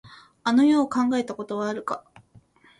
あの世を考えたことはあるか。